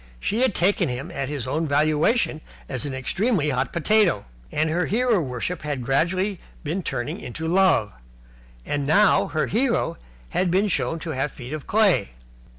She had taken him at his own valuation as an extremely hot potato, and her hero worship had gradually been turning into love. And now her hero had been shown to have feet of clay.